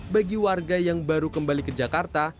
bagi warga yang baru kembali ke jakarta